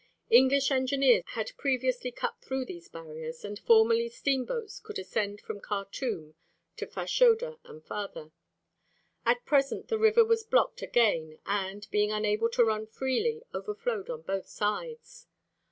English engineers had previously cut through these barriers, and formerly steamboats could ascend from Khartûm to Fashoda and farther. At present the river was blocked again and, being unable to run freely, overflowed on both sides.